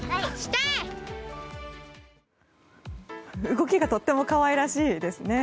動きがとってもかわいらしいですね。